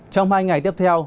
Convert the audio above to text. trong hai ngày tiếp theo